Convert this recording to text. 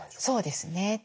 そうですね。